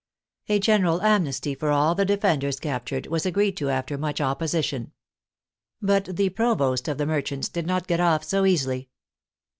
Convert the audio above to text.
A general amnesty for all the defenders captured was agreed to after much opposition. But the " provost of the merchants " did not get off so easily.